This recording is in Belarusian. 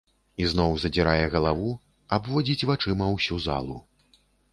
Ізноў задзірае галаву, абводзіць вачыма ўсю залу.